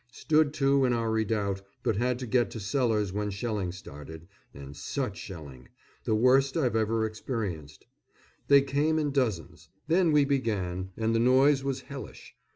Stood to in our redoubt, but had to get to cellars when shelling started and such shelling: the worst I've ever experienced. They came in dozens. Then we began, and the noise was hellish.